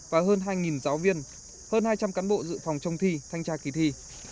và hơn hai giáo viên hơn hai trăm linh cán bộ dự phòng trong thi thanh tra kỳ thi